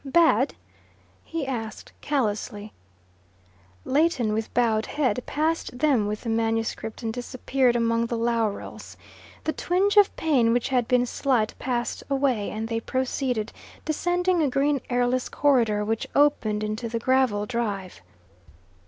"Bad?" he asked callously. Leighton, with bowed head, passed them with the manuscript and disappeared among the laurels. The twinge of pain, which had been slight, passed away, and they proceeded, descending a green airless corridor which opened into the gravel drive.